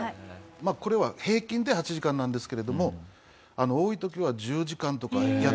まあこれは平均で８時間なんですけれども多い時は１０時間とかやってたんですよね。